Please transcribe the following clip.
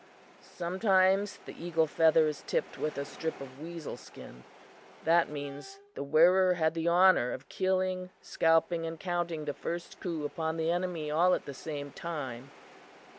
Sometimes the eagle feather is tipped with a strip of weasel skin; that means the wearer had the honor of killing, scalping and counting the first coup upon the enemy all at the same time.